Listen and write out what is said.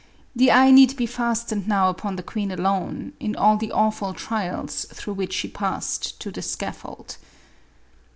The eye need be fastened now upon the queen alone, in all the awful trials through which she passed to the scaffold.